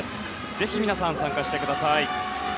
ぜひ皆さん参加してください。